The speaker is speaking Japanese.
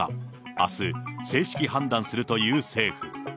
あす、正式判断する政府。